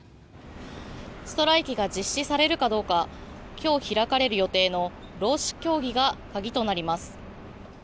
ストライキが実施されるかどうか今日開かれる予定の労使協議が鍵となります。